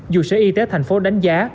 dù sở y tế thành phố đánh giá